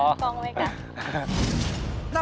หลายด่วนตะ